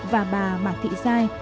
và bà mạc thị giai